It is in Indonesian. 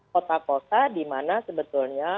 kota kota di mana sebetulnya